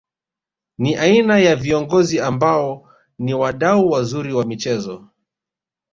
Ni aina ya viongozi ambao ni wadau wazuri wa michezo